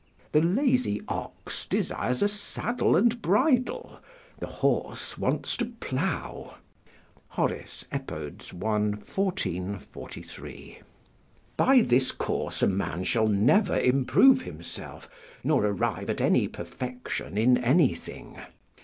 ["The lazy ox desires a saddle and bridle; the horse wants to plough." Hor., Ep., i. 14,43.] By this course a man shall never improve himself, nor arrive at any perfection in anything.